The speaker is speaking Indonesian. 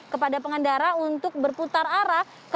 kepada pengendara untuk berputar arah